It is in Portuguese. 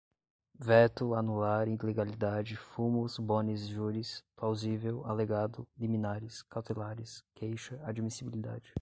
veto, anular, ilegalidade, fumus boni juris, plausível, alegado, liminares, cautelares, queixa, admissibilidade